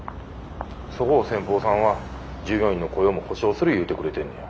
そこを先方さんは従業員の雇用も保証する言うてくれてんねや。